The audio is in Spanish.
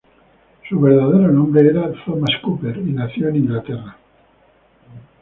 Su verdadero nombre era Thomas Cooper, y nació en Inglaterra.